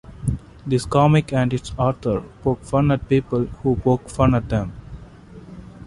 This comic and its authors poke fun at people who poke fun at them.